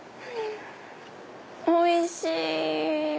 おいしい！